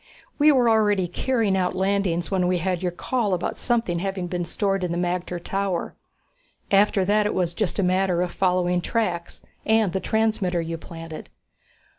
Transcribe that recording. We were already carrying out landings when we had your call about something having been stored in the magter tower. After that it was just a matter of following tracks and the transmitter you planted."